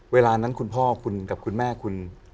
เวลานั้นคุณพ่อคุณกับคุณแม่คุณ